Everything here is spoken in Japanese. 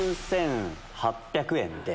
４８００円で。